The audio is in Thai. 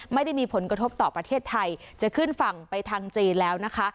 ไม่ได้มีผลกระทบต่อประเทศไทยจะขึ้นฝั่งไปทางจีนแล้วนะคะ